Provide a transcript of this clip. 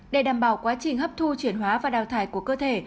để đảm bảo quá trình hấp thu chuyển hóa và đào thải của cơ thể